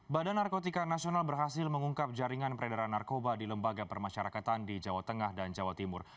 badan narkotika nasional berhasil mengungkap jaringan peredaran narkoba di lembaga permasyarakatan di jawa tengah dan jawa timur